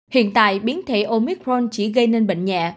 hiện tại biến thể omicron chỉ gây nên bệnh nhẹ